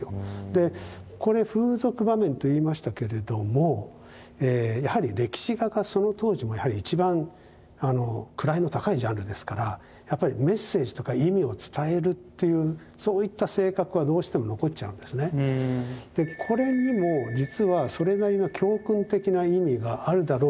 でこれ風俗場面といいましたけれどもやはり歴史画がその当時もやはり一番位の高いジャンルですからやっぱりメッセージとか意味を伝えるというそういった性格はどうしても残っちゃうんですね。というふうに思われます。